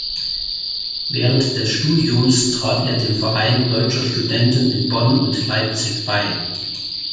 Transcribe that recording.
Während des Studiums trat er dem Verein Deutscher Studenten in Bonn und Leipzig bei.